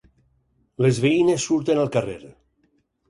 Les veïnes surten al carrer.